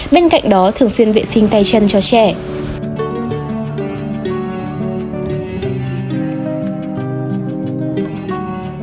bên cạnh đó thường xuyên vệ sinh tay chân cho trẻ